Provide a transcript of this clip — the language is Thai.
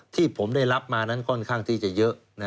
ที่ผมได้รับมานั้นค่อนข้างที่จะเยอะ